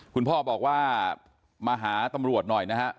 คุณพ่อบอกว่ามาหาตำรวจหน่อยนะฮะ